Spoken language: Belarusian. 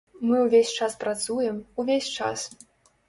Мы ўвесь час працуем, увесь час.